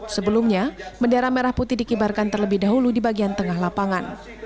sebelumnya bendera merah putih dikibarkan terlebih dahulu di bagian tengah lapangan